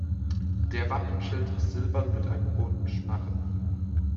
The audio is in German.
Der Wappenschild ist silbern mit einem roten Sparren.